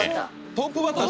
トップバッター？